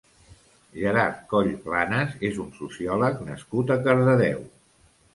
Gerard Coll Planas és un sociòleg nascut a Cardedeu.